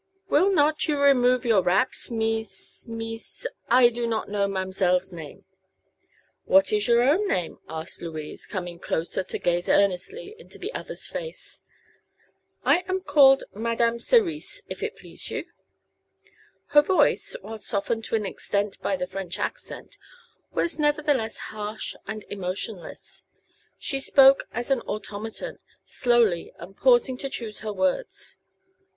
"Will not you remove your wraps, Mees Mees I do not know ma'm'selle's name." "What is your own name?" asked Louise, coming closer to gaze earnestly into the other's face. "I am called Madame Cerise, if it please you." Her voice, while softened to an extent by the French accent, was nevertheless harsh and emotionless. She spoke as an automaton, slowly, and pausing to choose her words.